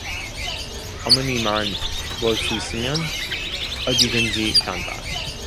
어머니만 볼 수 있으면 어디든지 간다.